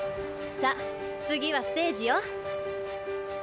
さあ次はステージよ。